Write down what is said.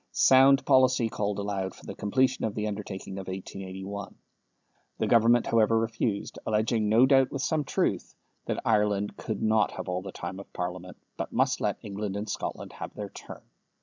Sound policy called aloud for the completion of the undertaking of 1881. The Government however refused, alleging, no doubt with some truth, that Ireland could not have all the time of Parliament, but must let England and Scotland have their turn.